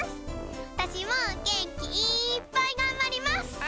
わたしもげんきいっぱいがんばります。